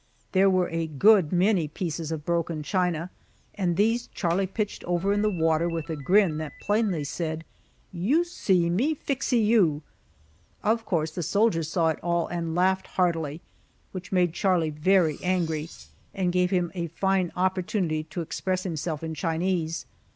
There were a good many pieces of broken china, and these Charlie pitched over in the water with a grin that plainly said, "You see me flixee you!" Of course the soldiers saw it all and laughed heartily, which made Charlie very angry, and gave him a fine opportunity to express himself in Chinese.